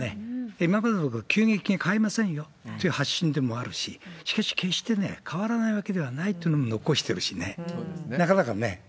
今までのと急激に変えませんよという発信でもあるし、しかし、決して変わらないわけではないというのも残してるしね、なかなかね。